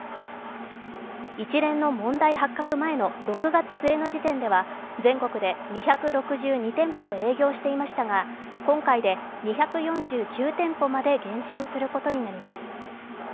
一連の問題発覚前の６月末の時点では全国で２６２店舗を営業していましたが今回で２４９店舗まで減少することになります。